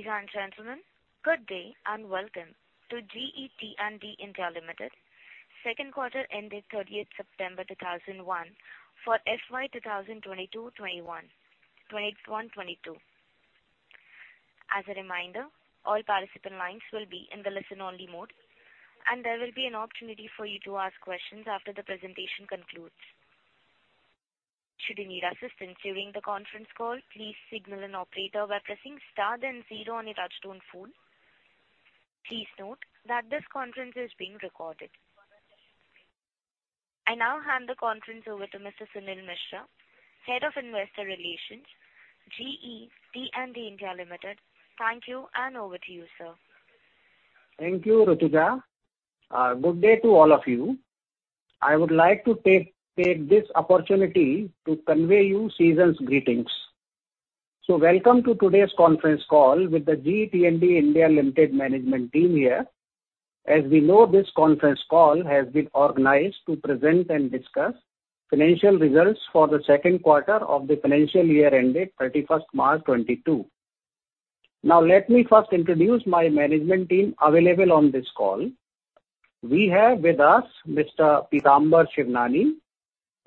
Ladies and gentlemen, good day, and welcome to GE T&D India Limited second quarter ending 30 September 2021 for FY 2021-22. As a reminder, all participant lines will be in the listen-only mode, and there will be an opportunity for you to ask questions after the presentation concludes. Should you need assistance during the conference call, please signal an operator by pressing star then zero on your touchtone phone. Please note that this conference is being recorded. I now hand the conference over to Mr. Suneel Mishra, Head of Investor Relations, GE T&D India Limited. Thank you, and over to you, sir. Thank you, Rutuja. Good day to all of you. I would like to take this opportunity to convey you season's greetings. Welcome to today's conference call with the GE T&D India Limited management team here. As we know, this conference call has been organized to present and discuss financial results for the second quarter of the financial year ending 31 March 2022. Now let me first introduce my management team available on this call. We have with us Mr. Pitamber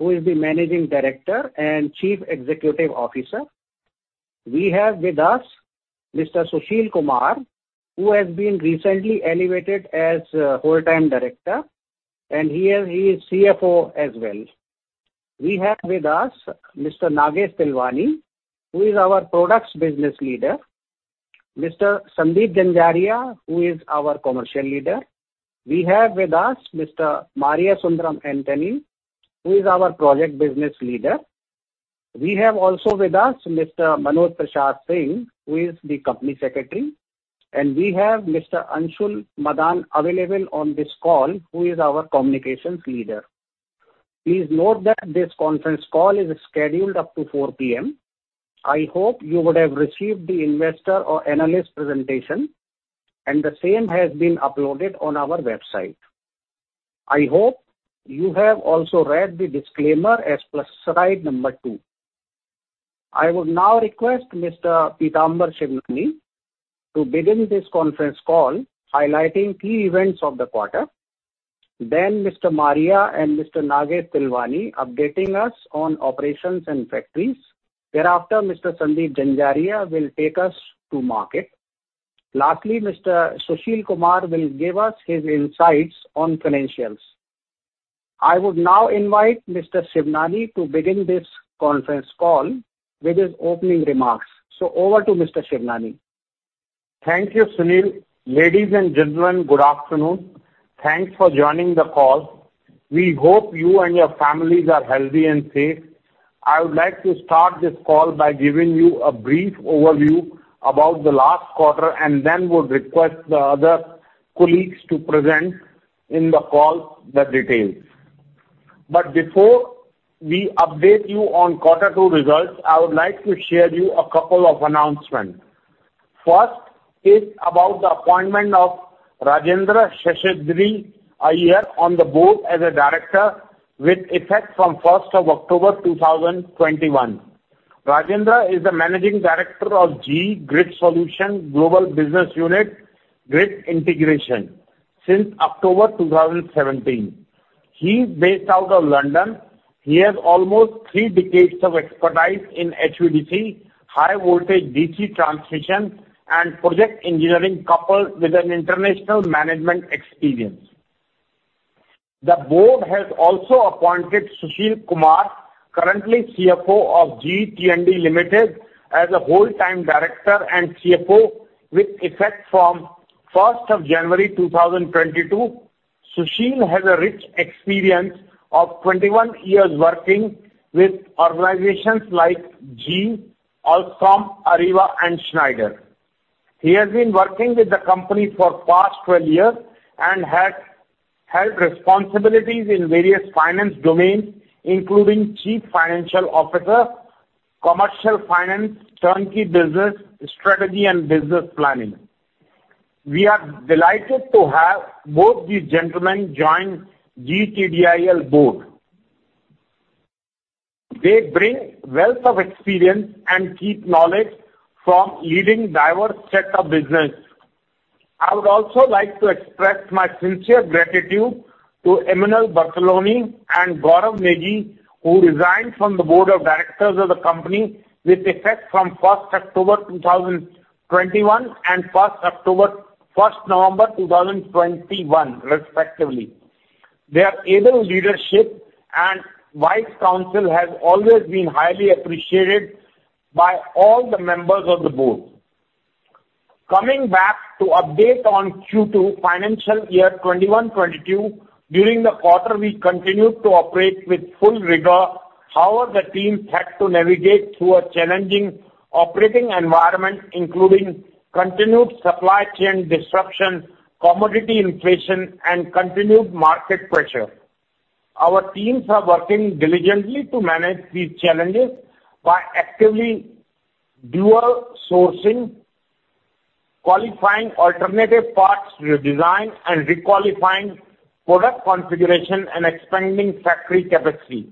Shivnani, who is the Managing Director and Chief Executive Officer. We have with us Mr. Sushil Kumar, who has been recently elevated as Whole-Time director, and he is CFO as well. We have with us Mr. Nagesh Tilwani, who is our products business leader. Mr. Sandeep Zanzaria, who is our commercial leader. We have with us Mr. Mariasundaram Antony, who is our project business leader. We have also with us Mr. Manoj Prasad Singh, who is the company secretary, and we have Mr. Anshul Madaan available on this call, who is our communications leader. Please note that this conference call is scheduled up to 4 P.M. I hope you would have received the investor or analyst presentation, and the same has been uploaded on our website. I hope you have also read the disclaimer as per slide number 2. I would now request Mr. Pitamber Shivnani to begin this conference call highlighting key events of the quarter. Mr. Maria and Mr. Nagesh Tilwani will update us on operations and factories. Thereafter, Mr. Sandeep Zanzaria will take us through the market. Lastly, Mr. Sushil Kumar will give us his insights on financials. I would now invite Mr. Shivnani to begin this conference call with his opening remarks. Over to Mr. Shivnani. Thank you, Suneel. Ladies and gentlemen, good afternoon. Thanks for joining the call. We hope you and your families are healthy and safe. I would like to start this call by giving you a brief overview about the last quarter and then would request the other colleagues to present in the call the details. Before we update you on Quarter Two results, I would like to share with you a couple of announcements. First is about the appointment of Rajendra Sheshadri Iyer on the board as a director with effect from October 1, 2021. Rajendra is the Managing Director of GE Grid Solutions Global Business Unit, Grid Integration since October 2017. He's based out of London. He has almost three decades of expertise in HVDC, high voltage DC transmission and project engineering, coupled with an international management experience. The board has also appointed Sushil Kumar, currently CFO of GE T&D India Limited, as a Whole-Time Director and CFO with effect from January 1, 2022. Sushil has a rich experience of 21 years working with organizations like GE, Alstom, Areva and Schneider Electric. He has been working with the company for past 12 years and has held responsibilities in various finance domains, including Chief Financial Officer, Commercial Finance, Turnkey Business, Strategy and Business Planning. We are delighted to have both these gentlemen join GTDIL board. They bring wealth of experience and deep knowledge from leading diverse set of business. I would also like to express my sincere gratitude to Emanuel Bertolini and Gaurav Negi, who resigned from the board of directors of the company with effect from October 1, 2021 and November 1, 2021, respectively. Their able leadership and wise counsel has always been highly appreciated by all the members of the board. Coming back to update on Q2 financial year 2021-22, during the quarter, we continued to operate with full rigor. However, the team had to navigate through a challenging operating environment, including continued supply chain disruption, commodity inflation, and continued market pressure. Our teams are working diligently to manage these challenges by actively dual sourcing, qualifying alternative parts redesign, and re-qualifying product configuration and expanding factory capacity.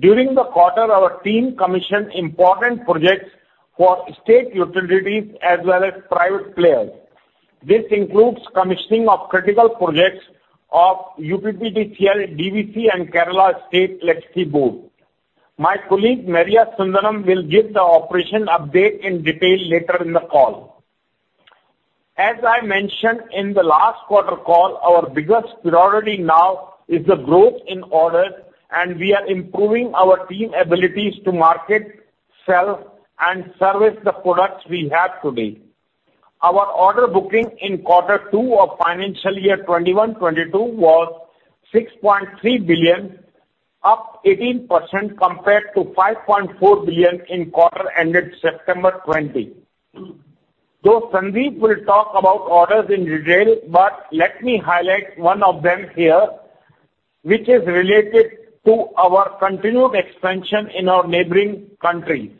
During the quarter, our team commissioned important projects for state utilities as well as private players. This includes commissioning of critical projects of UPPCL, DVC, and Kerala State Electricity Board. My colleague, Mariasundaram, will give the operation update in detail later in the call. As I mentioned in the last quarter call, our biggest priority now is the growth in orders, and we are improving our team abilities to market, sell, and service the products we have today. Our order booking in quarter 2 of financial year 2021-22 was 6.3 billion, up 18% compared to 5.4 billion in quarter ended September 2020. Though Sandeep will talk about orders in detail, but let me highlight one of them here, which is related to our continued expansion in our neighboring countries.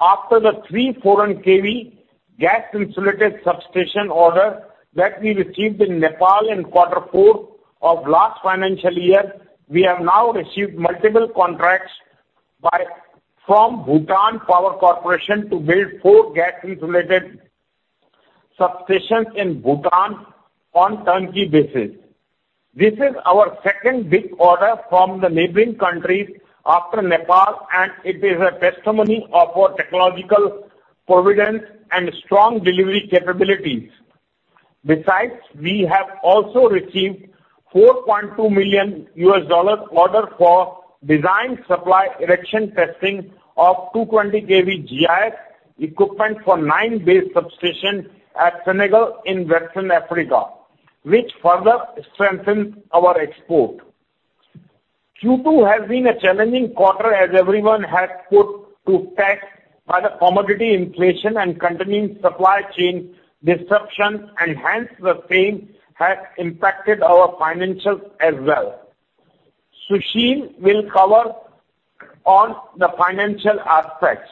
After the 400 kV gas-insulated substation order that we received in Nepal in quarter 4 of last financial year, we have now received multiple contracts from Bhutan Power Corporation to build four gas-insulated substations in Bhutan on turnkey basis. This is our second big order from the neighboring countries after Nepal, and it is a testimony of our technological prowess and strong delivery capabilities. Besides, we have also received $4.2 million order for design, supply, erection, testing of 220 kV GIS equipment for 9-bay substation at Senegal in West Africa, which further strengthens our exports. Q2 has been a challenging quarter as everyone has been put to the test by the commodity inflation and continuing supply chain disruptions and hence the same has impacted our financials as well. Sushil will cover the financial aspects.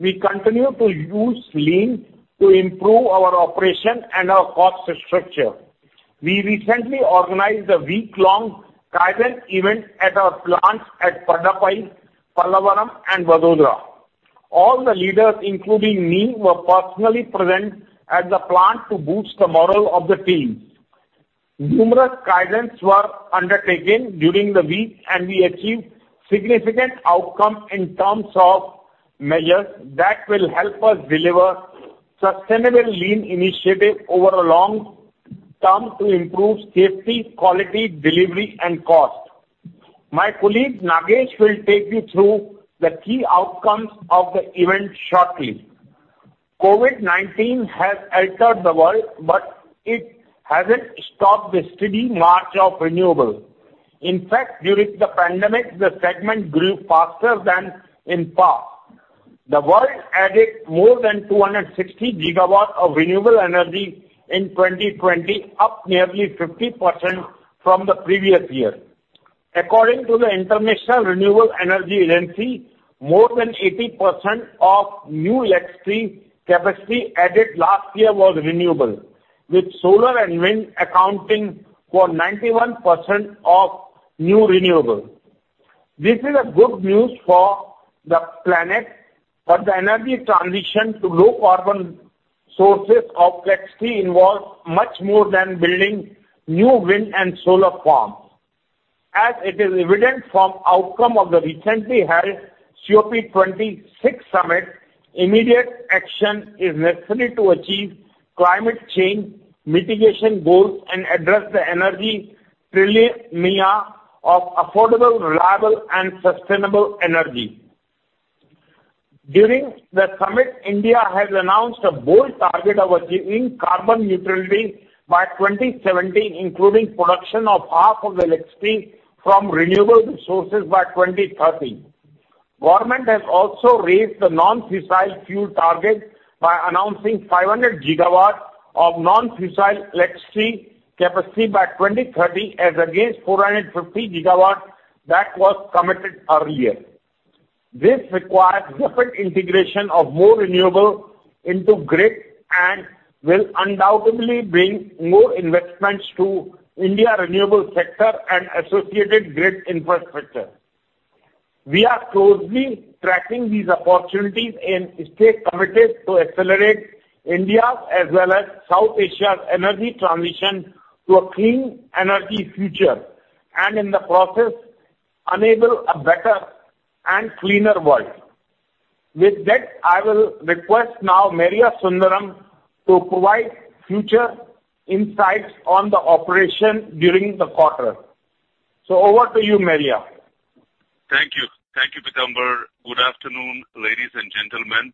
We continue to use Lean to improve our operation and our cost structure. We recently organized a week-long Kaizen event at our plants at Padappai, Pallavaram and Vadodara. All the leaders, including me, were personally present at the plant to boost the morale of the teams. Numerous Kaizens were undertaken during the week, and we achieved significant outcome in terms of measures that will help us deliver sustainable Lean initiative over a long term to improve safety, quality, delivery and cost. My colleague Nagesh will take you through the key outcomes of the event shortly. COVID-19 has altered the world, but it hasn't stopped the steady march of renewable. In fact, during the pandemic, the segment grew faster than in past. The world added more than 260 GW of renewable energy in 2020, up nearly 50% from the previous year. According to the International Renewable Energy Agency, more than 80% of new electricity capacity added last year was renewable, with solar and wind accounting for 91% of new renewable. This is good news for the planet, but the energy transition to low carbon sources of electricity involves much more than building new wind and solar farms. It is evident from the outcome of the recently held COP26 summit that immediate action is necessary to achieve climate change mitigation goals and address the energy trilemma of affordable, reliable and sustainable energy. During the summit, India announced a bold target of achieving carbon neutrality by 2070, including production of half of the electricity from renewable resources by 2030. The government also raised the non-fossil fuel target by announcing 500 GW of non-fossil electricity capacity by 2030 as against 450 GW that was committed earlier. This requires the integration of more renewables into the grid and will undoubtedly bring more investments to India's renewable sector and associated grid infrastructure. We are closely tracking these opportunities and stay committed to accelerate India's as well as South Asia's energy transition to a clean energy future, and in the process enable a better and cleaner world. With that, I will request now Mariasundaram to provide future insights on the operation during the quarter. Over to you, Maria. Thank you. Thank you, Pitamber. Good afternoon, ladies and gentlemen.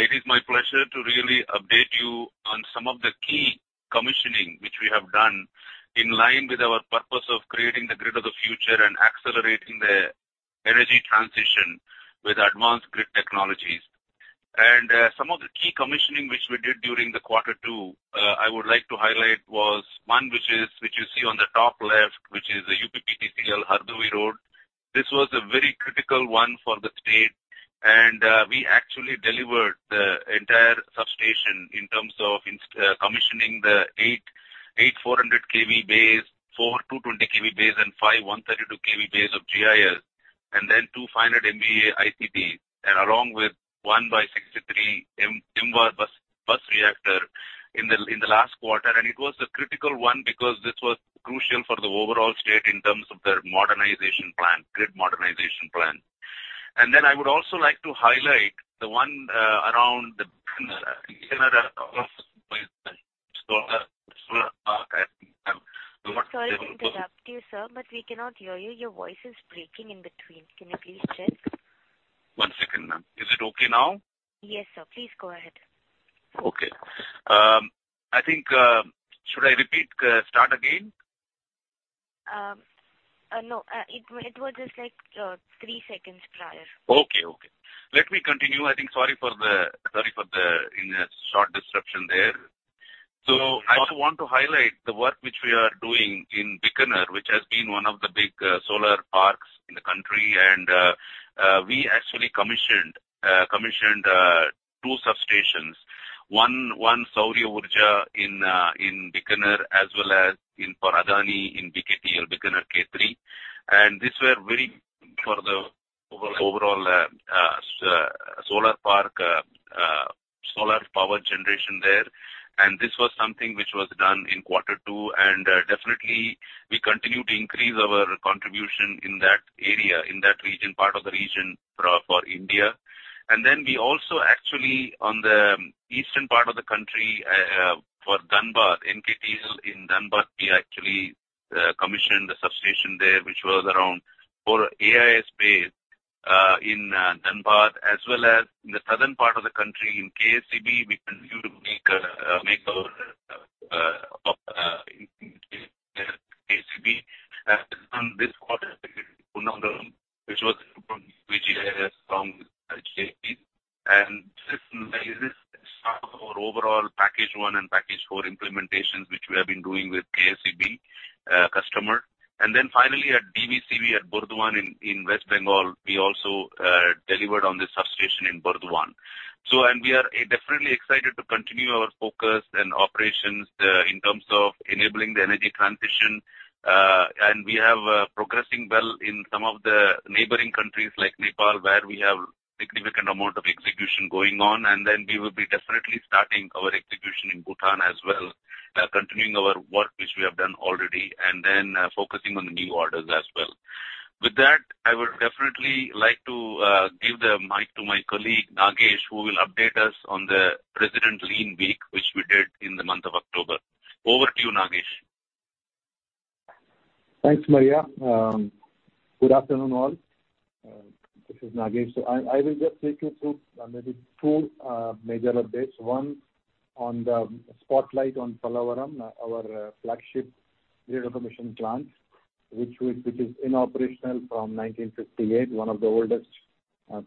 It is my pleasure to really update you on some of the key commissioning which we have done in line with our purpose of creating the grid of the future and accelerating the energy transition with advanced grid technologies. Some of the key commissioning which we did during the quarter two, I would like to highlight was one which you see on the top left, which is a UPPCL Hardoi Road. This was a very critical one for the state. We actually delivered the entire substation in terms of commissioning the eight 400 kV bays, four 220 kV bays, and five 132 kV bays of GIS, and then two 500 MVA ICTs, and along with one 63 MVAR bus reactor in the last quarter. It was a critical one because this was crucial for the overall state in terms of their modernization plan, grid modernization plan. Then I would also like to highlight the one around the Sorry to interrupt you, sir, but we cannot hear you. Your voice is breaking in between. Can you please check? One second, ma'am. Is it okay now? Yes, sir. Please go ahead. Okay. I think, should I repeat, start again? No. It was just like 3 seconds prior. Okay. Let me continue, I think. Sorry for the you know short disruption there. I also want to highlight the work which we are doing in Bikaner, which has been one of the big solar parks in the country. We actually commissioned two substations. One Saur Urja in Bikaner as well as for Adani in BKTL, Bikaner-Khetri. These were vital for the overall solar park, solar power generation there. This was something which was done in quarter two. Definitely we continue to increase our contribution in that area, in that region, part of the region for India. Then we also actually, on the eastern part of the country, for Dhanbad, NKT in Dhanbad, we actually commissioned the substation there, which was around four AIS bays in Dhanbad. As well as in the southern part of the country in KSEB, we continue to make our in KSEB, on this quarter, Punnathur, which is KSEB. This is part of our overall package one and package four implementations, which we have been doing with KSEB customer. Finally at DVC we had Burdwan in West Bengal. We also delivered on the substation in Burdwan. We are definitely excited to continue our focus and operations in terms of enabling the energy transition. We are progressing well in some of the neighboring countries like Nepal, where we have significant amount of execution going on. We will be definitely starting our execution in Bhutan as well, continuing our work, which we have done already, and then focusing on the new orders as well. With that, I would definitely like to give the mic to my colleague, Nagesh, who will update us on the President's Lean Week, which we did in the month of October. Over to you, Nagesh. Thanks, Maria. Good afternoon, all. This is Nagesh. I will just take you through maybe two major updates. One on the spotlight on Pallavaram, our flagship relay commission plant, which is operational from 1958, one of the oldest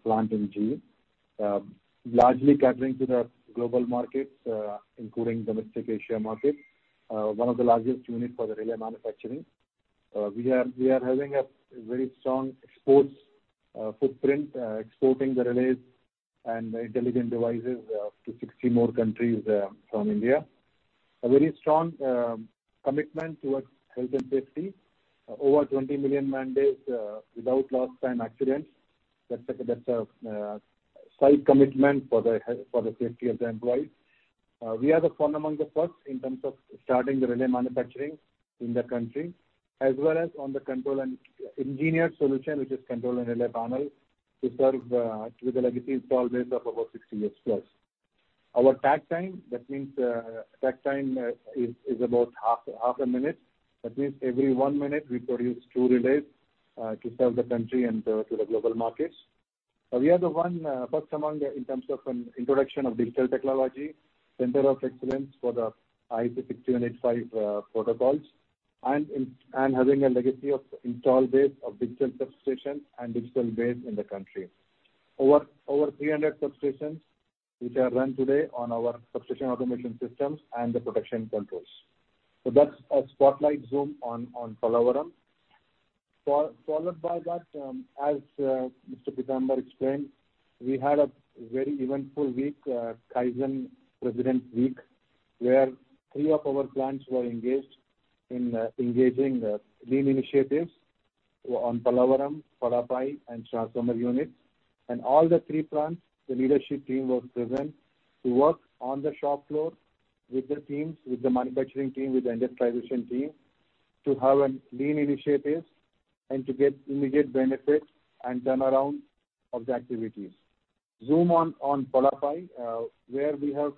plant in GE. Largely catering to the global markets, including domestic Asia markets. One of the largest unit for the relay manufacturing. We are having a very strong export footprint, exporting the relays and intelligent devices to 60 more countries from India. A very strong commitment towards health and safety. Over 20 million man-days without lost time accidents. That's a site commitment for the safety of the employees. We are the frontrunner among the first in terms of starting the relay manufacturing in the country, as well as on the control and engineered solution, which is control and relay panel, to serve with a legacy install base of over 60 years plus. Our takt time, that means, is about half a minute. That means every one minute we produce two relays to serve the country and to the global markets. We are the first in terms of an introduction of digital technology, center of excellence for the IEC 61850 protocols, and having a legacy of install base of digital substation and digital base in the country, over 300 substations which are run today on our substation automation systems and the protection controls. That's a spotlight zoom on Pallavaram. Followed by that, as Mr. Pitamber explained, we had a very eventful week, Kaizen President Week, where three of our plants were engaged in lean initiatives on Pallavaram, Padappai, and transformer units. All the three plants, the leadership team was present to work on the shop floor with the teams, with the manufacturing team, with the industrialization team, to have lean initiatives and to get immediate benefits and turnaround of the activities. Zoom on Padappai, where we have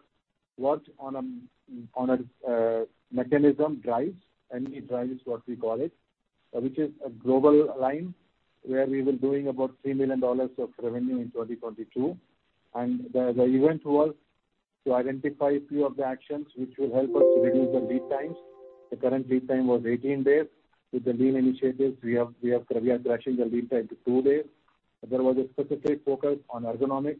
worked on a mechanism drives, ME drives is what we call it, which is a global line where we were doing about $3 million of revenue in 2022. The event was to identify few of the actions which will help us to reduce the lead times. The current lead time was 18 days. With the lean initiatives we have, we are crashing the lead time to 2 days. There was a specific focus on ergonomics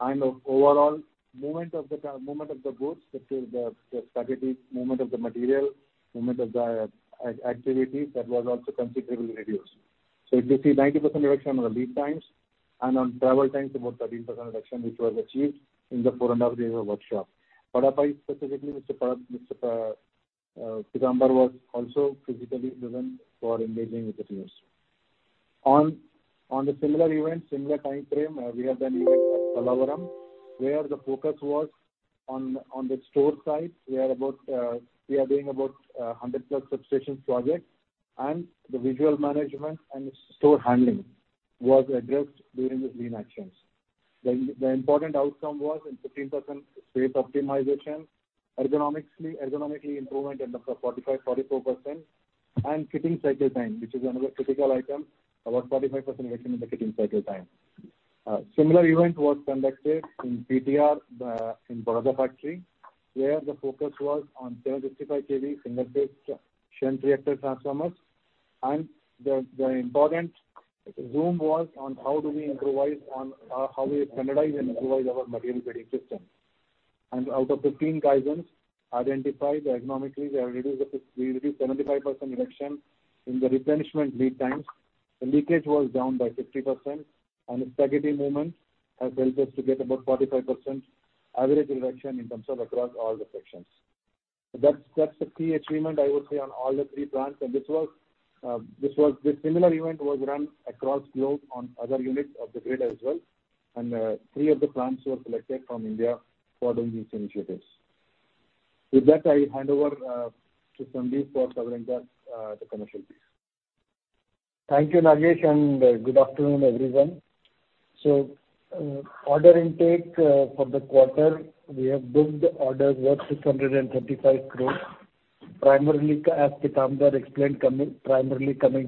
and overall movement of the goods, which is the strategic movement of the material, movement of the activities that was also considerably reduced. You can see 90% reduction on the lead times and on travel times, about 13% reduction, which was achieved in the 4.5 days of workshop. If I specifically Mr. Parag, Mr. Pitamber was also physically present for engaging with the teams. On the similar event, similar timeframe, we have done at Pallavaram, where the focus was on the store side. We are doing about 100+ substation projects, and the visual management and the store handling was addressed during the Lean actions. The important outcome was 15% space optimization, ergonomic improvement in the 44%, and kitting cycle time, which is another critical item, about 45% reduction in the kitting cycle time. Similar event was conducted in PTR in Baroda factory, where the focus was on 1,055 kV single phase shunt reactor transformers. The important zone was on how we improvise on how we standardize and improvise our material kitting system. Out of the 10 Kaizens identified, ergonomically we reduced 75% reduction in the replenishment lead times. The leakage was down by 50%. The spaghetti movement has helped us to get about 45% average reduction in terms of across all the sections. That's the key achievement I would say on all the three plants, and this was. The similar event was run across the globe on other units of the grid as well, and three of the plants were selected from India for doing these initiatives. With that, I hand over to Sandeep for covering the commercial piece. Thank you, Nagesh, and good afternoon, everyone. Order intake for the quarter, we have booked orders worth 635 crore. Primarily coming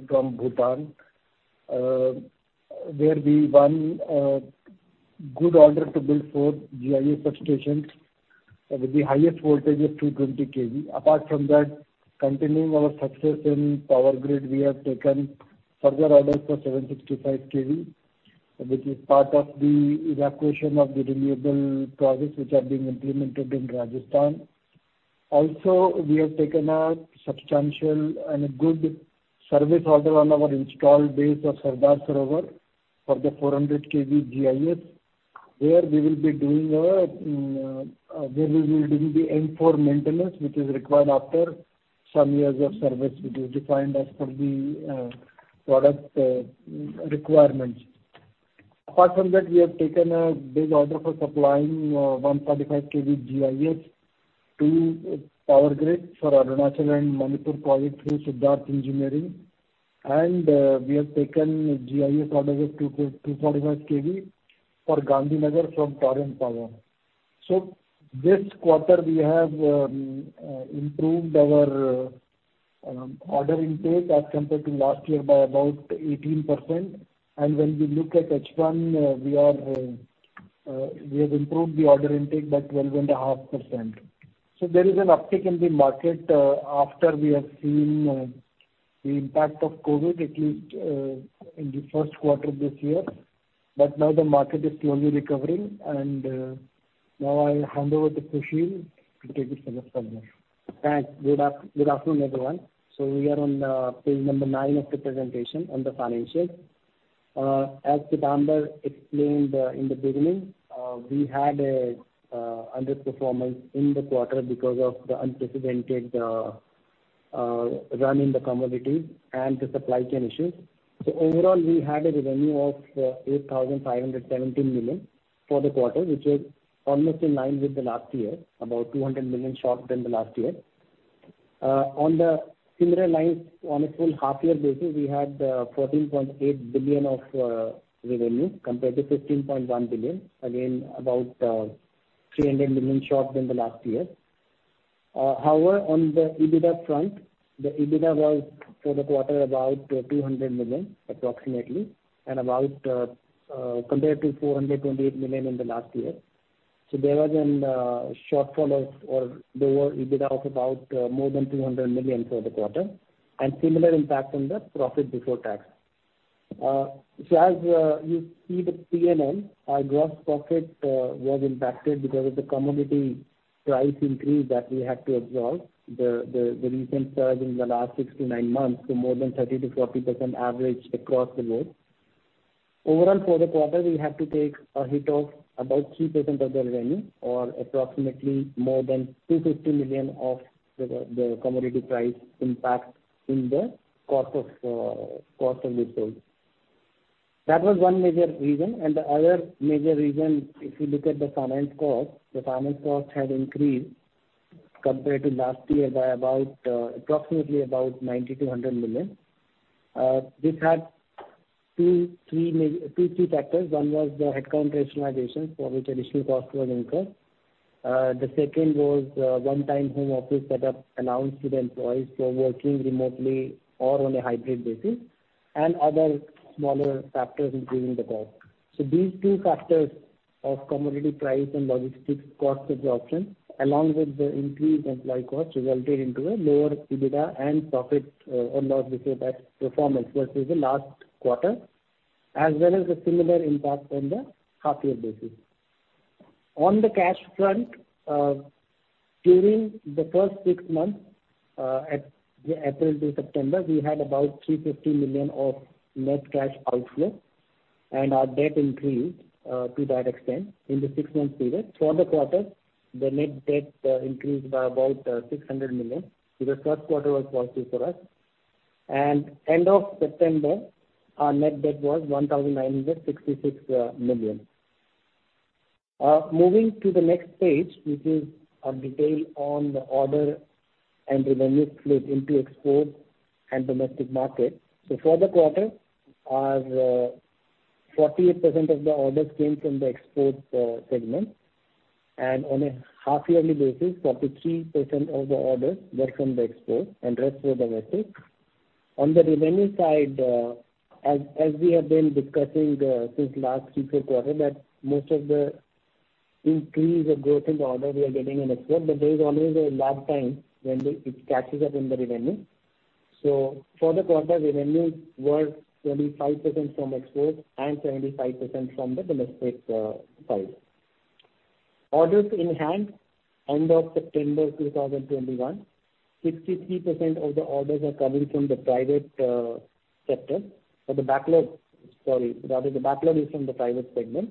from Bhutan, where we won good order to build four GIS substations with the highest voltage of 220 kV. Apart from that, continuing our success in Power Grid, we have taken further orders for 765 kV, which is part of the evacuation of the renewable projects which are being implemented in Rajasthan. Also, we have taken a substantial and a good service order on our installed base of Sardar Sarovar for the 400 kV GIS. There we will be doing the M4 maintenance which is required after some years of service, which is defined as per the product requirements. Apart from that, we have taken a big order for supplying 145 kV GIS to Power Grid for Arunachal and Manipur project through Siddharth Engineering. We have taken GIS orders of 245 kV for Gandhinagar from Torrent Power. This quarter we have improved our order intake as compared to last year by about 18%. When we look at H1, we have improved the order intake by 12.5%. There is an uptick in the market after we have seen the impact of COVID, at least in the first quarter this year. Now the market is slowly recovering. Now I'll hand over to Sushil to take it from this point. Thanks. Good afternoon, everyone. We are on page number 9 of the presentation on the financials. As Pitamber explained in the beginning, we had an underperformance in the quarter because of the unprecedented run in the commodity and the supply chain issues. Overall, we had revenue of 8,517 million for the quarter, which was almost in line with last year, about 200 million short than last year. On similar lines, on a full half-year basis, we had 14.8 billion of revenue compared to 15.1 billion. Again, about 300 million short than last year. However, on the EBITDA front, the EBITDA was for the quarter about 200 million approximately compared to 428 million in the last year. There was a shortfall of more than 200 million for the quarter, and similar impact on the profit before tax. You see the P&L, our gross profit was impacted because of the commodity price increase that we had to absorb, the recent surge in the last 6-9 months to more than 30%-40% average across the world. Overall for the quarter, we have to take a hit of about 3% of the revenue or approximately more than 250 million of the commodity price impact in the cost of goods sold. That was one major reason. The other major reason, if you look at the finance cost, the finance cost had increased compared to last year by about approximately 90 million-100 million. This had two, three factors. One was the head count rationalization for which additional cost was incurred. The second was one-time home office setup allowed to the employees who are working remotely or on a hybrid basis, and other smaller factors increasing the cost. These two factors of commodity price and logistics cost absorption, along with the increased employee cost, resulted into a lower EBITDA and profit, or loss before tax performance versus the last quarter, as well as the similar impact on the half year basis. On the cash front, during the first six months, at April to September, we had about 350 million of net cash outflow, and our debt increased, to that extent in the six-month period. For the quarter, the net debt increased by about 600 million. The first quarter was positive for us. End of September, our net debt was 1,966 million. Moving to the next page, which is a detail on the order and revenue split into export and domestic market. For the quarter, our 48% of the orders came from the export segment. On a half yearly basis, 43% of the orders were from the export and rest were domestic. On the revenue side, as we have been discussing since last fiscal quarter, most of the increase or growth in the order we are getting in export, but there is always a lag time when it catches up in the revenue. For the quarter, revenues were 25% from export and 75% from the domestic side. Orders in hand end of September 2021, 63% of the orders are coming from the private sector. The backlog, sorry, rather the backlog is from the private segment.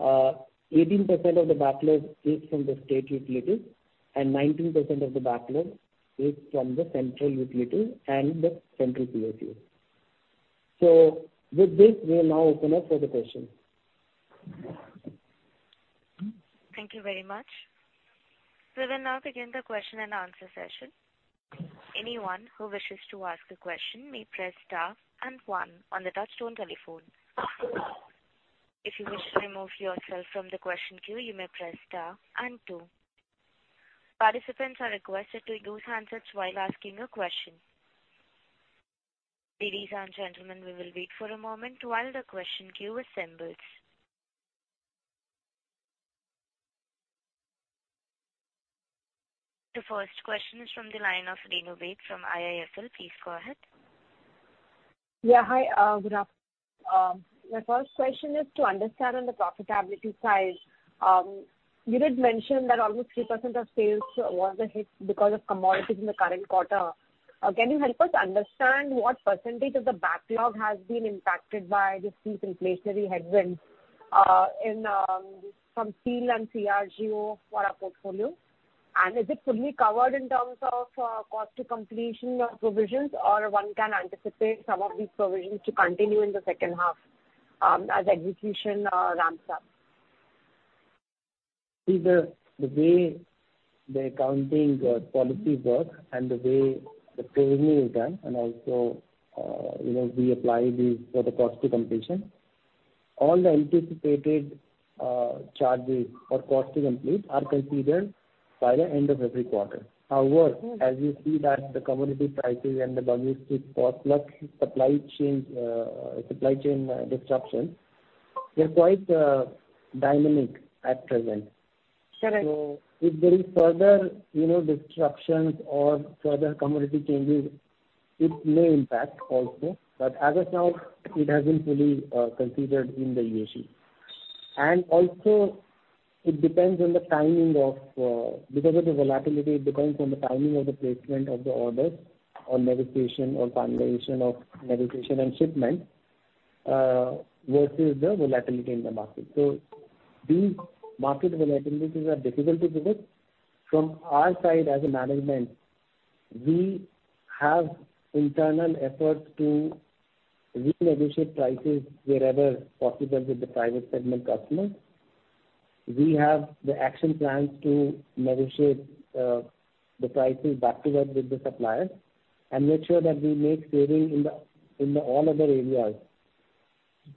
18% of the backlog is from the state utilities, and 19% of the backlog is from the central utility and the central PSU. With this, we'll now open up for the questions. Thank you very much. We will now begin the question-and-answer session. Anyone who wishes to ask a question may press star and one on the touchtone telephone. If you wish to remove yourself from the question queue, you may press star and two. Participants are requested to use handsets while asking a question. Ladies and gentlemen, we will wait for a moment while the question queue assembles. The first question is from the line of Renu Baid from IIFL. Please go ahead. Yeah, hi. Good afternoon. My first question is to understand on the profitability side. You did mention that almost 3% of sales was a hit because of commodities in the current quarter. Can you help us understand what percentage of the backlog has been impacted by these inflationary headwinds, in from steel and CRGO for our portfolio? And is it fully covered in terms of cost to completion of provisions, or one can anticipate some of these provisions to continue in the second half, as execution ramps up? See the way the accounting policies work and the way the provisioning is done, and also, you know, we apply these for the cost to completion. All the anticipated charges or cost to complete are considered by the end of every quarter. However, as you see that the commodity prices and the logistics cost plus supply chain disruptions, they're quite dynamic at present. Correct. If there is further, you know, disruptions or further commodity changes, it may impact also. As of now, it has been fully considered in the AC. Also it depends on the timing of the placement of the orders or negotiation or finalization of negotiation and shipment versus the volatility in the market. These market volatilities are difficult to predict. From our side as a management, we have internal efforts to renegotiate prices wherever possible with the private segment customers. We have the action plans to negotiate the prices backwards with the suppliers and make sure that we make savings in all other areas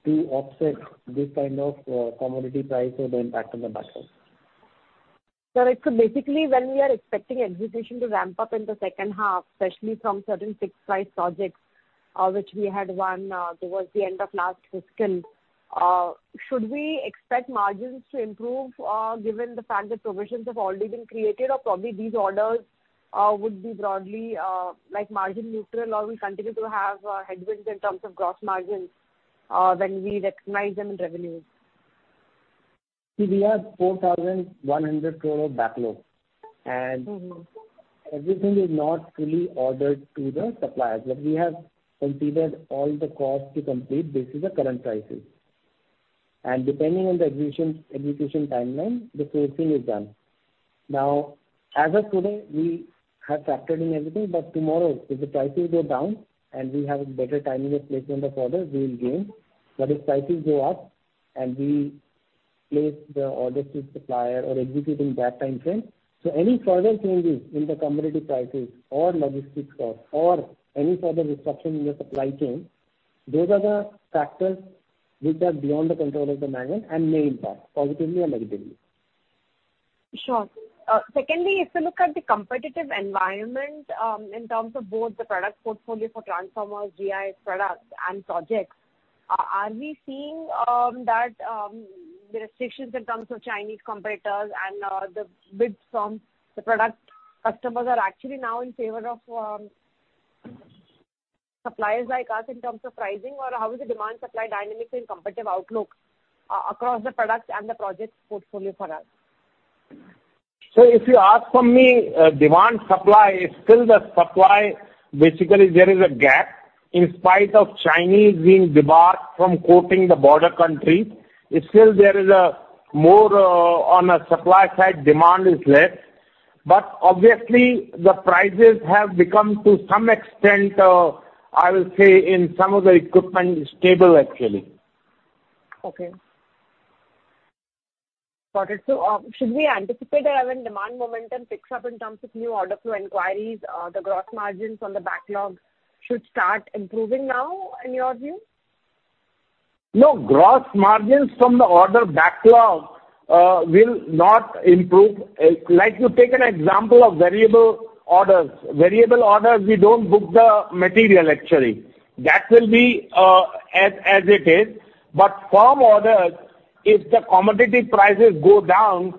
to offset this kind of commodity price or the impact on the backlog. Sir, basically, when we are expecting execution to ramp up in the second half, especially from certain fixed price projects, which we had won, towards the end of last fiscal, should we expect margins to improve, given the fact that provisions have already been created or probably these orders would be broadly, like margin neutral or we'll continue to have headwinds in terms of gross margins, when we recognize them in revenues? See, we have 4,100 crore of backlog. Mm-hmm. Everything is not fully ordered to the suppliers, but we have considered all the costs to complete based on the current prices. Depending on the execution timeline, the pricing is done. As of today, we have factored in everything, but tomorrow if the prices go down and we have a better timing of placement of orders, we will gain. If prices go up and we place the orders to the supplier or execute in that timeframe, any further changes in the commodity prices or logistics costs or any further disruption in the supply chain, those are the factors which are beyond the control of the management and may impact positively or negatively. Sure. Secondly, if you look at the competitive environment, in terms of both the product portfolio for transformers, GIS products and projects, are we seeing that the restrictions in terms of Chinese competitors and the bids from the product customers are actually now in favor of suppliers like us in terms of pricing or how is the demand supply dynamics in competitive outlook across the products and the project portfolio for us? If you ask from me, demand supply is still the supply. Basically, there is a gap in spite of Chinese being debarred from quoting the border country. It's still there a more on a supply side, demand is less. Obviously the prices have become to some extent, I will say in some of the equipment stable actually. Okay. Got it. Should we anticipate that when demand momentum picks up in terms of new order flow inquiries, the gross margins on the backlogs should start improving now, in your view? No gross margins from the order backlog will not improve. Like you take an example of variable orders. Variable orders, we don't book the material actually. That will be as it is. Firm orders, if the commodity prices go down,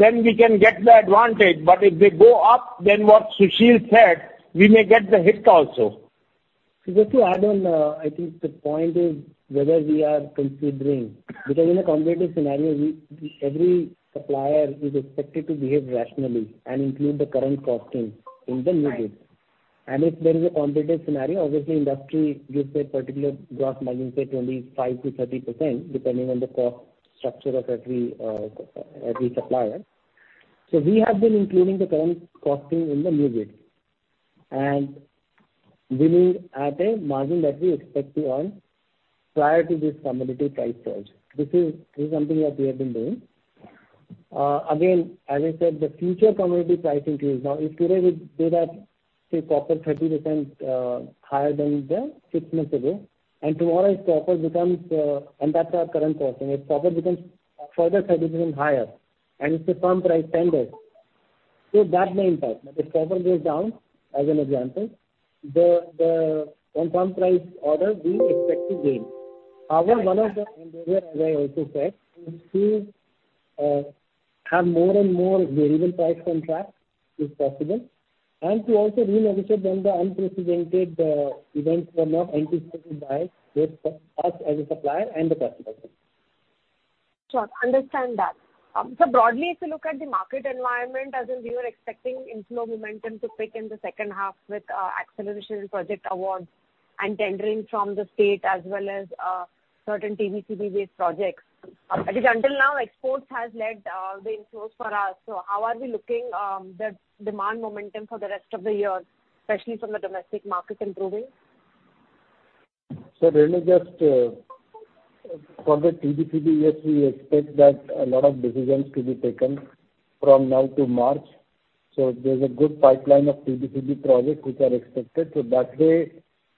then we can get the advantage. If they go up, then what Sushil said, we may get the hit also. Just to add on, I think the point is whether we are considering, because in a competitive scenario, we, every supplier is expected to behave rationally and include the current costing in the new bid. Right. If there is a competitive scenario, obviously industry gives a particular gross margin, say 25%-30%, depending on the cost structure of every supplier. We have been including the current costing in the new bid, and we need at a margin that we expect to earn prior to this commodity price surge. This is something that we have been doing. Again, as I said, the future commodity price increase. Now, if today we say that, say copper 30% higher than six months ago, and tomorrow if copper becomes, and that's our current costing, if copper becomes further 10% higher and it's a firm price tender, so that may impact. If copper goes down as an example, the non-firm price orders we expect to gain. However, one of the endeavor, as I also said, is to have more and more variable price contracts if possible, and to also renegotiate when the unprecedented events were not anticipated by both us as a supplier and the customer also. Sure. Understand that. Broadly, if you look at the market environment as in we were expecting inflow momentum to pick in the second half with acceleration in project awards and tendering from the state as well as certain TBCB-based projects. Because until now exports has led the inflows for us. How are we looking the demand momentum for the rest of the year, especially from the domestic market improving? Really just for the TBCB, yes, we expect that a lot of decisions to be taken from now to March. There's a good pipeline of TBCB projects which are expected. That way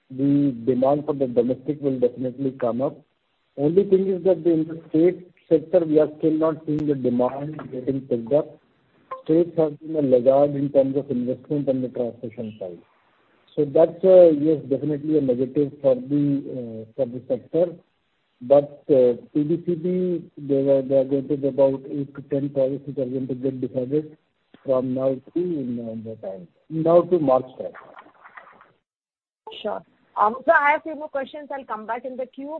the demand for the domestic will definitely come up. Only thing is that in the state sector we are still not seeing the demand getting picked up. States are in a lag in terms of investment on the transmission side. That's yes, definitely a negative for the sector. TBCB, there are going to be about 8-10 projects which are going to get decided from now till in the time, now to March time. Sure. I have few more questions. I'll come back in the queue.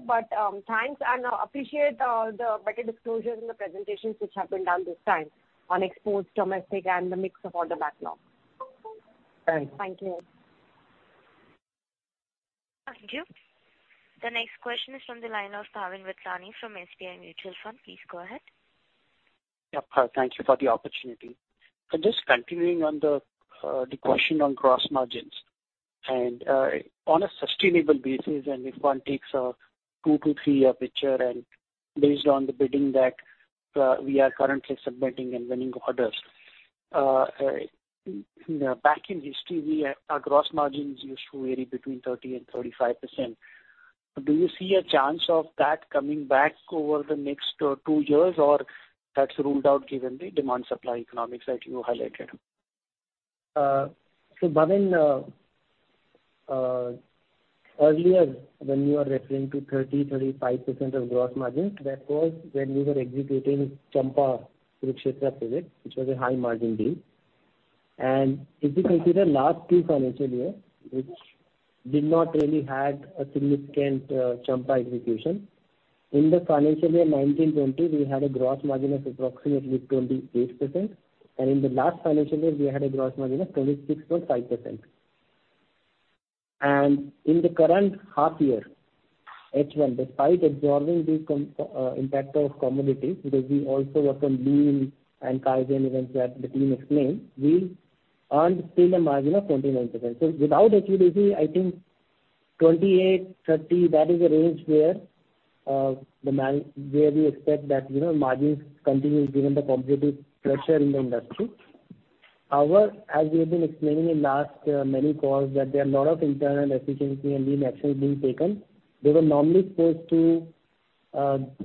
Thanks, and appreciate the better disclosures in the presentations which have been done this time on exports, domestic and the mix of order backlog. Thanks. Thank you. Thank you. The next question is from the line of Bhavin Vithlani from SBI Mutual Fund. Please go ahead. Thank you for the opportunity. Just continuing on the question on gross margins and on a sustainable basis, and if one takes a 2-3-year picture and based on the bidding that we are currently submitting and winning orders. Back in history, we had our gross margins used to vary between 30%-35%. Do you see a chance of that coming back over the next 2 years, or that's ruled out given the demand supply economics that you highlighted? Bhavin, earlier when you are referring to 30-35% of gross margin, that was when we were executing Champa-Kurukshetra HVDC project, which was a high margin deal. If you consider last two financial year, which did not really had a significant Champa execution. In the financial year 2019-20, we had a gross margin of approximately 28%, and in the last financial year we had a gross margin of 26.5%. In the current half year, H1, despite absorbing the impact of commodities, because we also worked on lean and kaizen events that the team explained, we earned still a margin of 29%. Without COVID, I think 28-30, that is a range where we expect that, you know, margins continue given the competitive pressure in the industry. However, as we have been explaining in last many calls, that there are a lot of internal efficiency and Lean actions being taken. They were normally supposed to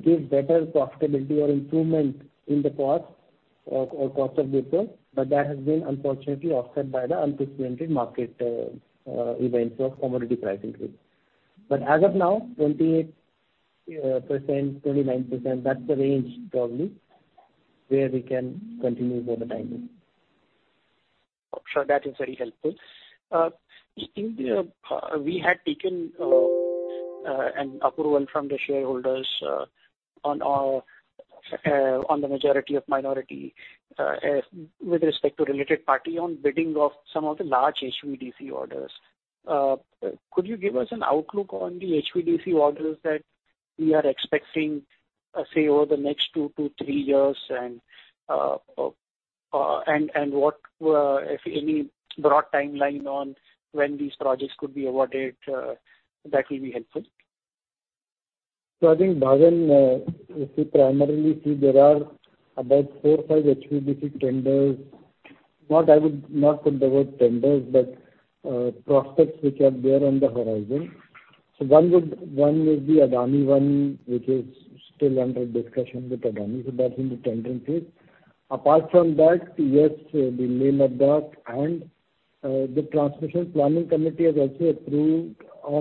give better profitability or improvement in the cost or cost of goods sold, but that has been unfortunately offset by the unprecedented market events of commodity pricing risk. As of now, 28%-29%, that's the range probably where we can continue for the timing. Sure, that is very helpful. We had taken an approval from the shareholders on the majority of minority with respect to related party on bidding of some of the large HVDC orders. Could you give us an outlook on the HVDC orders that we are expecting, say, over the next 2-3 years and what, if any, broad timeline on when these projects could be awarded? That will be helpful. I think, Bhavin, if we primarily see there are about 4 or 5 HVDC tenders. What I would not put the word tenders, but prospects which are there on the horizon. One is the Adani one, which is still under discussion with Adani, so that's in the tendering phase. Apart from that, yes, the Leh-Ladakh and the Transmission Planning Committee has also approved our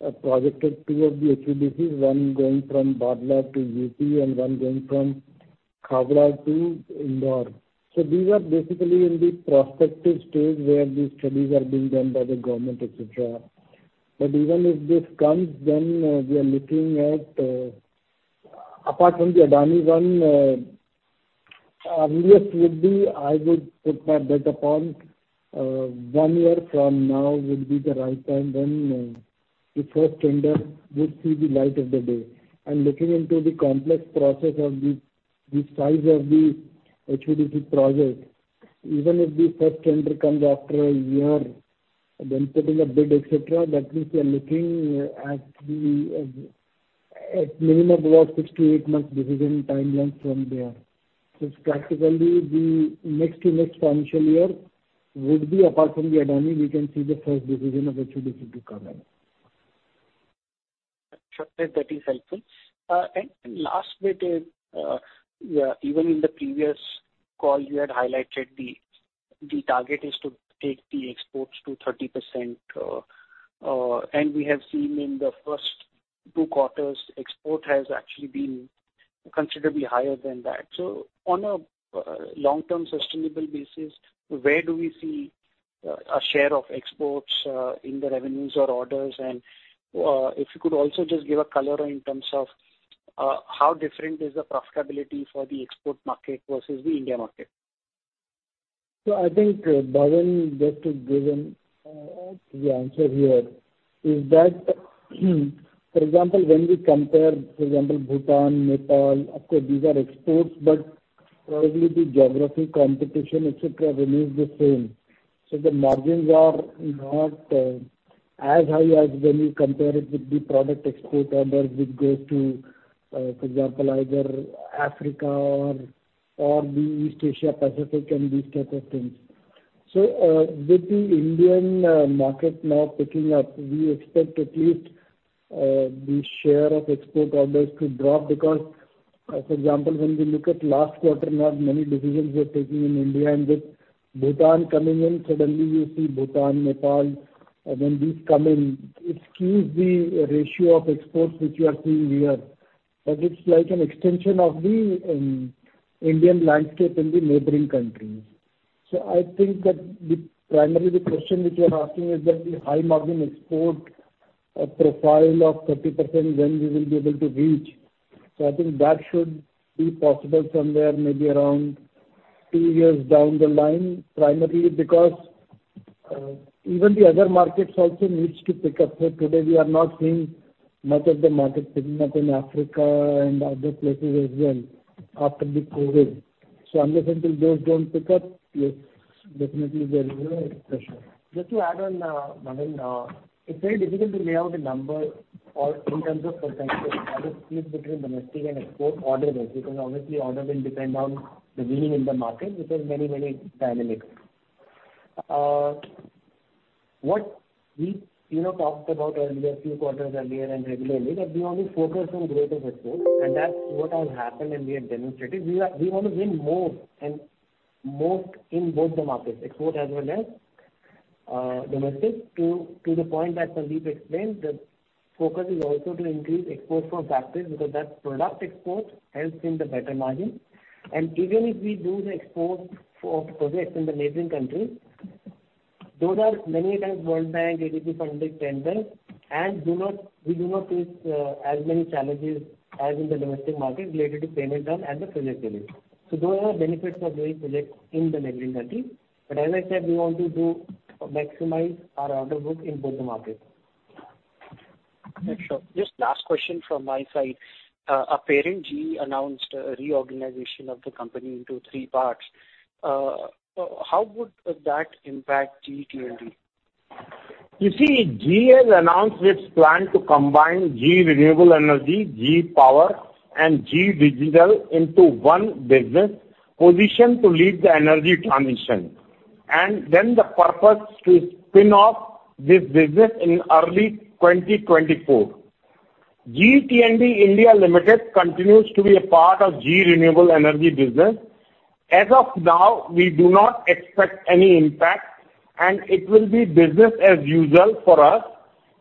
proposed two of the HVDCs, one going from Bhadla to UP and one going from Khavda to Indore. These are basically in the prospective stage where the studies are being done by the government, et cetera. Even if this comes, then, we are looking at, apart from the Adani one, earliest would be, I would put my bet upon, one year from now would be the right time when, the first tender would see the light of the day. Looking into the complex process of the size of the HVDC project, even if the first tender comes after a year, then putting a bid, et cetera, that means we are looking at the, at minimum about 6-8 months decision timeline from there. Practically, the next-to-next financial year would be apart from the Adani, we can see the first decision of HVDC to come in. Sure thing. That is helpful. Last bit is, yeah, even in the previous call you had highlighted the target is to take the exports to 30%, and we have seen in the first two quarters, export has actually been considerably higher than that. On a long-term sustainable basis, where do we see a share of exports in the revenues or orders? If you could also just give a color in terms of how different the profitability for the export market versus the India market is. I think, Bhavin, just to give an, the answer here is that for example, when we compare, for example, Bhutan, Nepal, of course, these are exports, but probably the geography, competition, et cetera, remains the same. The margins are not as high as when you compare it with the product export orders which goes to, for example, either Africa or the East Asia Pacific and these types of things. With the Indian market now picking up, we expect at least the share of export orders to drop. Because, for example, when we look at last quarter, not many decisions were taken in India. With Bhutan coming in, suddenly you see Bhutan, Nepal, and when these come in, it skews the ratio of exports which you are seeing here. It's like an extension of the Indian landscape in the neighboring countries. I think that primarily the question which you are asking is that the high margin export profile of 30% when we will be able to reach. I think that should be possible somewhere maybe around 2 years down the line. Primarily because even the other markets also needs to pick up. Today we are not seeing much of the market picking up in Africa and other places as well after the COVID. Unless and until those don't pick up, yes, definitely there is pressure. Just to add on, Bhavin, it's very difficult to lay out a number or in terms of percentage how it splits between domestic and export orders. Because obviously order will depend on the winning in the market, which has many, many dynamics. What we, you know, talked about earlier, few quarters earlier and regularly that we want to focus on rate of exports. That's what has happened and we have demonstrated. We want to win more and more in both the markets, export as well as domestic. To the point that Sandip explained, the focus is also to increase export from factories because that product export helps in the better margin. Even if we do the export for projects in the neighboring countries, those are many a times World Bank, ADB funded tenders, and we do not face as many challenges as in the domestic market related to payment term and the project delivery. Those are benefits of doing projects in the neighboring country. As I said, we want to maximize our order book in both the markets. Sure. Just last question from my side. Our parent GE announced a reorganization of the company into three parts. How would that impact GE T&D? You see, GE has announced its plan to combine GE Renewable Energy, GE Power, and GE Digital into one business positioned to lead the energy transition. The purpose to spin off this business in early 2024. GE T&D India Limited continues to be a part of GE Renewable Energy business. As of now, we do not expect any impact. It will be business as usual for us.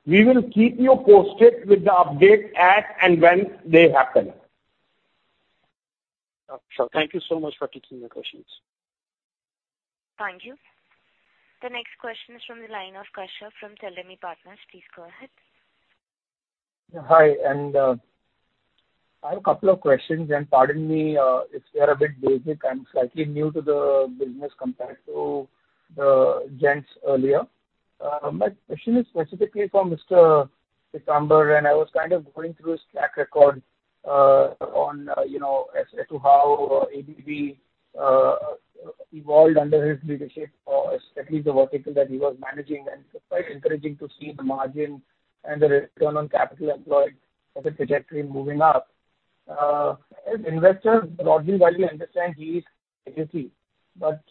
We will keep you posted with the updates as and when they happen. Okay. Thank you so much for taking the questions. Thank you. The next question is from the line of Kashyap from Theleme Partners. Please go ahead. Hi, I have a couple of questions, and pardon me if they are a bit basic. I'm slightly new to the business compared to the gents earlier. My question is specifically for Mr. Pitamber, and I was kind of going through his track record, you know, as to how ABB evolved under his leadership, or at least the vertical that he was managing. It's quite encouraging to see the margin and the return on capital employed of the trajectory moving up. As investors, broadly, while we understand his agency, but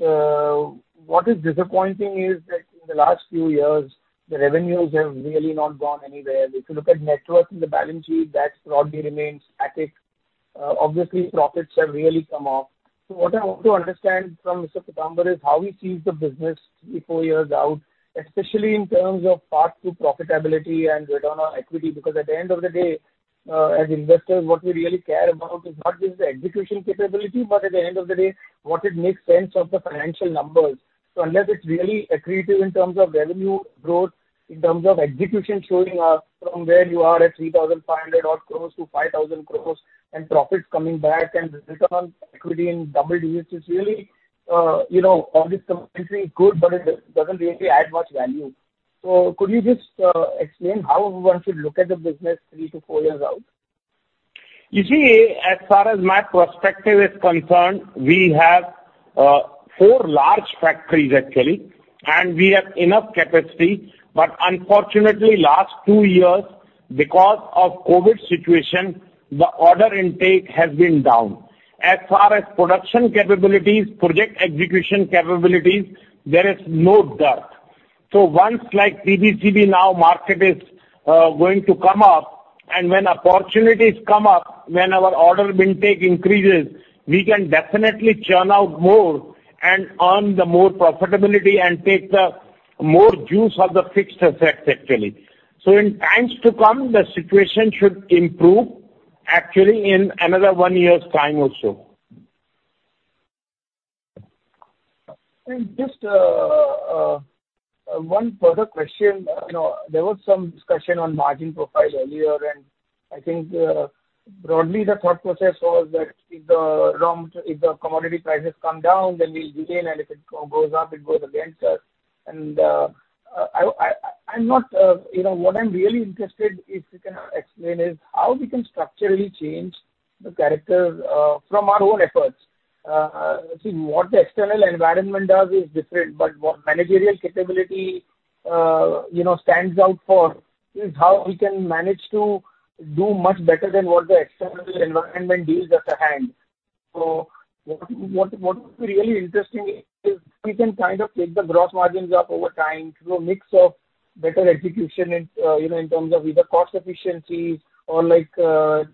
what is disappointing is that in the last few years, the revenues have really not gone anywhere. If you look at net worth in the balance sheet, that broadly remains static. Obviously, profits have really come up. What I want to understand from Mr. Pitamber is how he sees the business three, four years out, especially in terms of path to profitability and return on equity. At the end of the day, as investors, what we really care about is not just the execution capability, but at the end of the day, what it makes sense of the financial numbers. Unless it's really accretive in terms of revenue growth, in terms of execution showing up from where you are at 3,500-odd crores to 5,000 crores and profits coming back and return on equity in double digits is really, you know, obviously good, but it doesn't really add much value. Could you just explain how one should look at the business three to four years out? You see, as far as my perspective is concerned, we have four large factories actually, and we have enough capacity. Unfortunately, last two years, because of COVID situation, the order intake has been down. As far as production capabilities, project execution capabilities, there is no doubt. Once like TBCB now market is going to come up, and when opportunities come up, when our order intake increases, we can definitely churn out more and earn the more profitability and take the more juice of the fixed effects actually. In times to come, the situation should improve actually in another one year's time also. Just one further question. You know, there was some discussion on margin profile earlier, and I think broadly the thought process was that if the commodity prices come down, then we'll gain, and if it goes up, it goes against us. I'm not. You know, what I'm really interested, if you can explain, is how we can structurally change the character from our own efforts. See, what the external environment does is different, but what managerial capability you know stands out for is how we can manage to do much better than what the external environment deals at hand. What would be really interesting is if we can kind of take the gross margins up over time through a mix of better execution in, you know, in terms of either cost efficiencies or like, the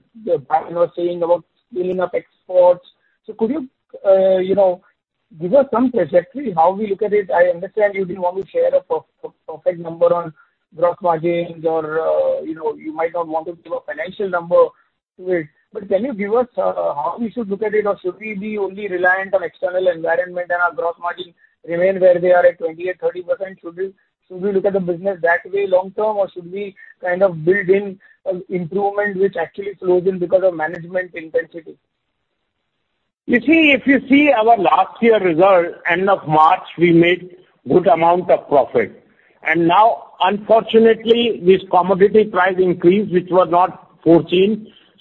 buyer was saying about scaling up exports. Could you know, give us some trajectory how we look at it? I understand you didn't want to share a perfect number on gross margins or, you know, you might not want to give a financial number to it. But can you give us, how we should look at it? Or should we be only reliant on external environment and our gross margin remain where they are at 20% or 30%? Should we look at the business that way long term, or should we kind of build in an improvement which actually flows in because of management intensity? You see, if you see our last year result, end of March, we made good amount of profit. Now, unfortunately, this commodity price increase, which was not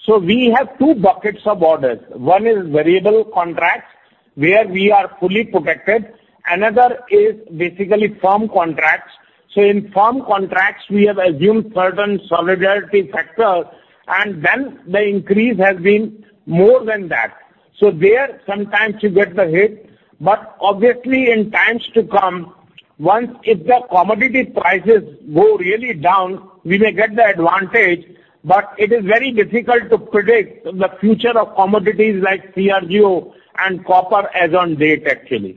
foreseen. We have two buckets of orders. One is variable contracts, where we are fully protected. Another is basically firm contracts. In firm contracts, we have assumed certain escalation factors, and then the increase has been more than that. There, sometimes you get the hit. Obviously, in times to come, once if the commodity prices go really down, we may get the advantage, but it is very difficult to predict the future of commodities like CRGO and copper as on date actually.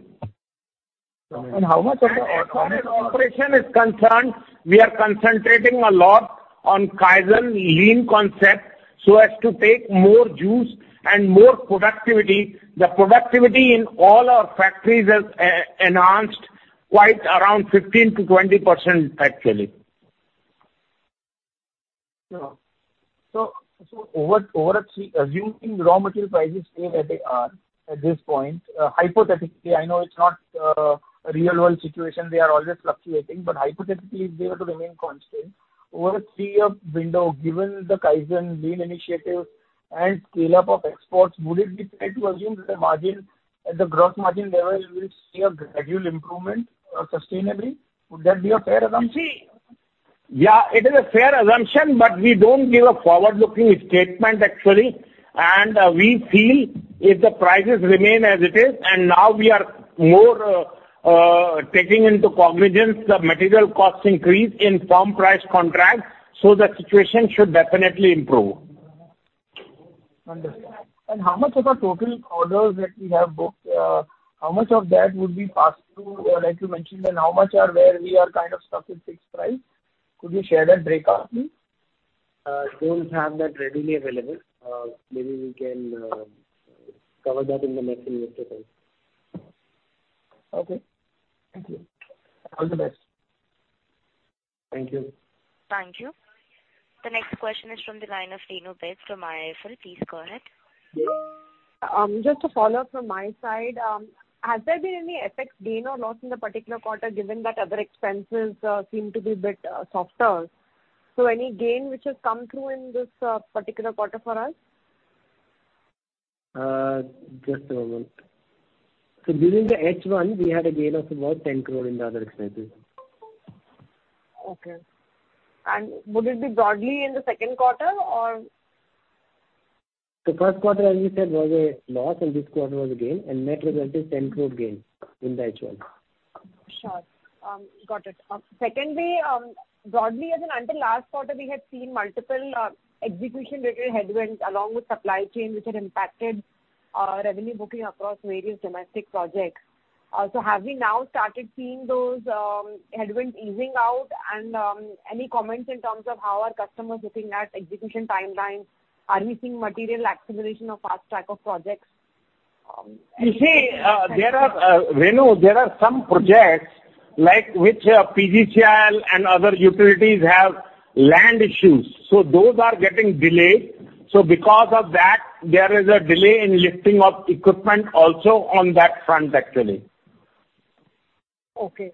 How much of the- As far as operation is concerned, we are concentrating a lot on Kaizen lean concept so as to take more juice and more productivity. The productivity in all our factories has enhanced quite around 15%-20% actually. Assuming raw material prices stay where they are at this point, hypothetically, I know it's not a real world situation, they are always fluctuating. Hypothetically, if they were to remain constant, over a three-year window, given the Kaizen lean initiative and scale-up of exports, would it be fair to assume that the margin, at the gross margin level, you will see a gradual improvement, sustainably? Would that be a fair assumption? See, yeah, it is a fair assumption, but we don't give a forward-looking statement actually. We feel if the prices remain as it is, and now we are more taking into cognizance the material cost increase in firm price contracts, so the situation should definitely improve. Understood. How much of our total orders that we have booked, how much of that would be passed through, like you mentioned, and how much is where we are kind of stuck with fixed price? Could you share that breakdown, please? Don't have that readily available. Maybe we can cover that in the next investor call. Okay. Thank you. All the best. Thank you. Thank you. The next question is from the line of Renu Baid from IIFL. Please go ahead. Just to follow up from my side, has there been any FX gain or loss in the particular quarter given that other expenses seem to be a bit softer? Any gain which has come through in this particular quarter for us? Just a moment. During the H1, we had a gain of about 10 crore in the other expenses. Okay. Would it be broadly in the second quarter or? The first quarter, as we said, was a loss and this quarter was a gain, and net result is 10 crore gain in the H1. Sure. Got it. Secondly, broadly as in until last quarter we had seen multiple execution related headwinds along with supply chain which had impacted revenue booking across various domestic projects. Have we now started seeing those headwinds easing out? Any comments in terms of how are customers looking at execution timelines? Are we seeing material acceleration or fast track of projects? You see, there are, Renu, some projects like which PGCIL and other utilities have land issues, so those are getting delayed. Because of that, there is a delay in lifting of equipment also on that front, actually. Okay.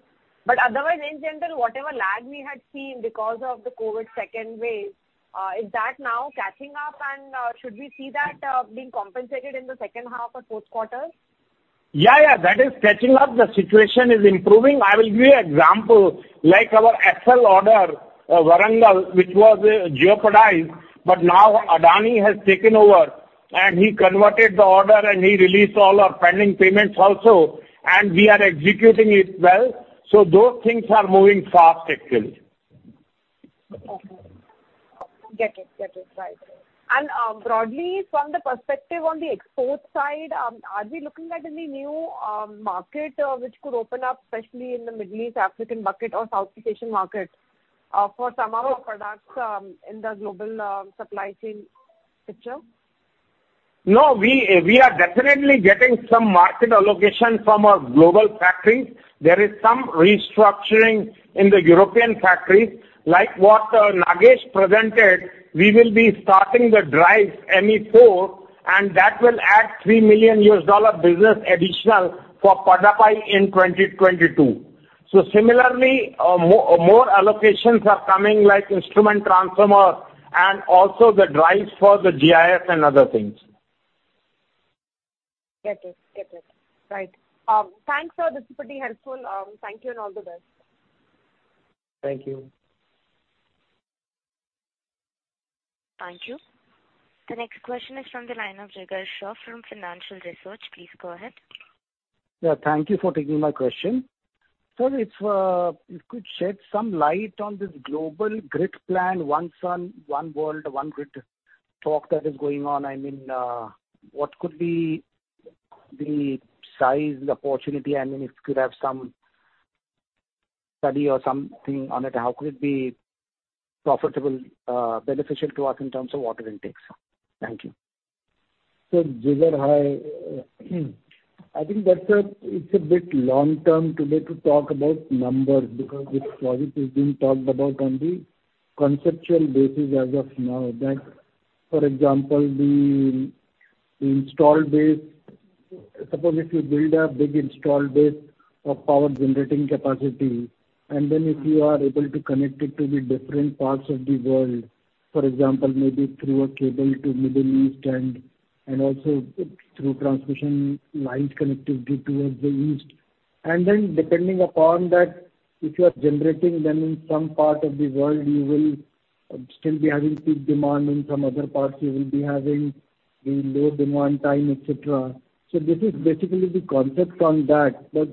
Otherwise, in general, whatever lag we had seen because of the COVID second wave, is that now catching up? Should we see that being compensated in the second half or fourth quarter? Yeah, yeah, that is catching up. The situation is improving. I will give you an example. Like our Essel order, Warangal, which was jeopardized, but now Adani has taken over, and he converted the order and he released all our pending payments also, and we are executing it well. Those things are moving fast, actually. Okay. Get it. Right. Broadly, from the perspective on the export side, are we looking at any new market which could open up, especially in the Middle East, African bucket or South Asian markets, for some of our products, in the global supply chain picture? No. We are definitely getting some market allocation from our global factory. There is some restructuring in the European factory, like what Nagesh presented, we will be starting the drive ME4, and that will add $3 million business additional for Padappai in 2022. Similarly, more allocations are coming, like instrument transformer and also the drives for the GIS and other things. Get it. Right. Thanks, sir. This is pretty helpful. Thank you and all the best. Thank you. Thank you. The next question is from the line of Jigar Shroff from Financial Research. Please go ahead. Yeah, thank you for taking my question. Sir, if you could shed some light on this global grid plan, One Sun One World One Grid talk that is going on. I mean, what could be the size, the opportunity? I mean, if you could have some study or something on it. How could it be profitable, beneficial to us in terms of order intakes? Thank you. Jigar, hi. I think that's a bit long-term today to talk about numbers because this project is being talked about on the conceptual basis as of now. For example, the installed base. Suppose if you build a big installed base of power generating capacity, and then if you are able to connect it to the different parts of the world, for example maybe through a cable to Middle East and also through transmission lines connectivity towards the east. Then depending upon that, if you are generating them in some part of the world, you will still be having peak demand. In some other parts you will be having the low demand time, et cetera. This is basically the concept on that, but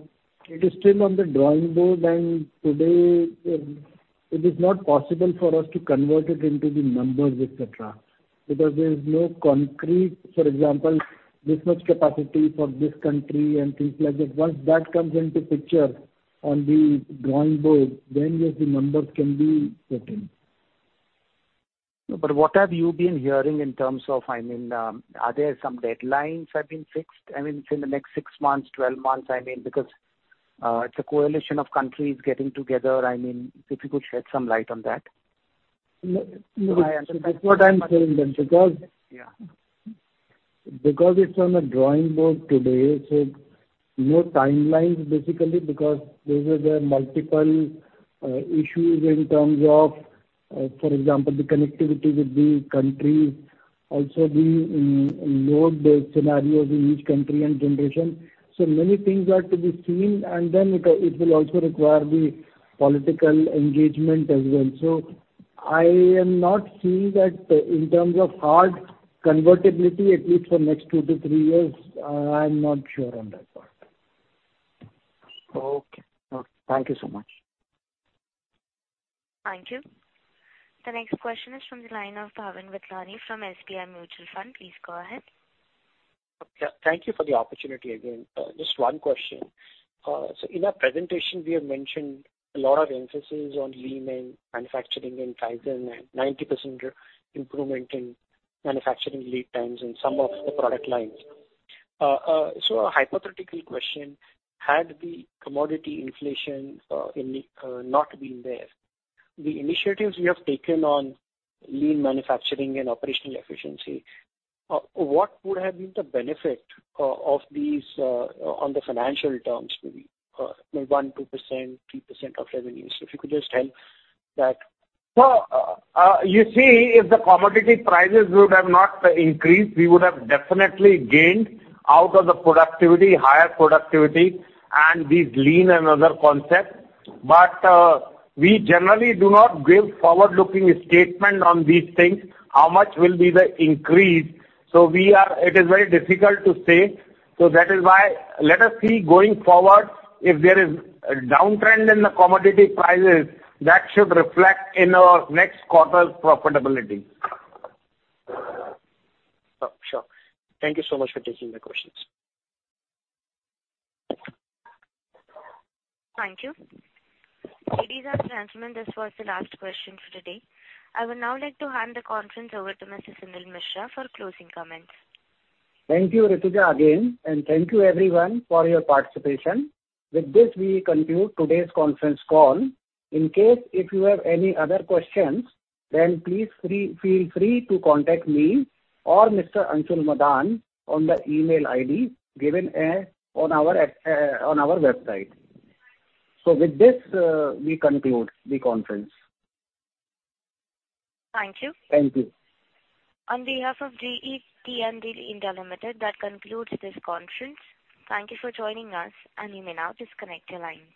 it is still on the drawing board and today it is not possible for us to convert it into the numbers, et cetera, because there is no concrete, for example, this much capacity for this country and things like that. Once that comes into picture on the drawing board, then the numbers can be put in. What have you been hearing in terms of, I mean, are there some deadlines have been fixed? I mean, say in the next 6 months, 12 months, I mean, because it's a coalition of countries getting together. I mean, if you could shed some light on that. No, that's what I'm saying. Yeah. Because it's on the drawing board today, no timelines basically because there were the multiple issues in terms of, for example, the connectivity with the country, also the load based scenarios in each country and generation. Many things are to be seen and then it will also require the political engagement as well. I am not seeing that in terms of hard convertibility, at least for next 2-3 years, I am not sure on that part. Okay. Thank you so much. Thank you. The next question is from the line of Bhavin Vithlani from SBI Mutual Fund. Please go ahead. Yeah, thank you for the opportunity again. Just one question. In our presentation, we have mentioned a lot of emphasis on Lean manufacturing and Kaizen and 90% improvement in manufacturing lead times in some of the product lines. A hypothetical question, had the commodity inflation not been there, the initiatives we have taken on Lean manufacturing and operational efficiency, what would have been the benefit of these on the financial terms, maybe 1%, 2%, 3% of revenues? If you could just tell that. You see, if the commodity prices would have not increased, we would have definitely gained out of the productivity, higher productivity and these Lean and other concepts. We generally do not give forward-looking statement on these things; how much will be the increase. It is very difficult to say. That is why let us see going forward, if there is a downtrend in the commodity prices, that should reflect in our next quarter's profitability. Oh, sure. Thank you so much for taking my questions. Thank you. Ladies and gentlemen, this was the last question for today. I would now like to hand the conference over to Mr. Suneel Mishra for closing comments. Thank you, Rutuja, again, and thank you everyone for your participation. With this, we conclude today's conference call. In case if you have any other questions, then please feel free to contact me or Mr. Anshul Madaan on the email ID given on our website. With this, we conclude the conference. Thank you. Thank you. On behalf of GE T&D India Limited, that concludes this conference. Thank you for joining us, and you may now disconnect your lines.